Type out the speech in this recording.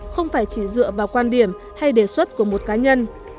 không phải chỉ dựa vào quan điểm hay đề xuất của một cá nhân